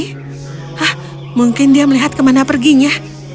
hah mungkin dia melihat kemana perginya